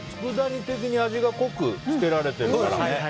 佃煮に味が濃くつけられてるから。